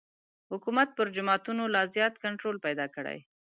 حکومت پر جوماتونو لا زیات کنټرول پیدا کړي.